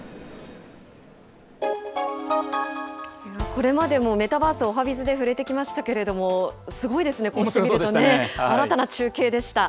これまでもメタバース、おはＢｉｚで触れてきましたけれども、すごいですね、こうして見るとね、新たな中継でした。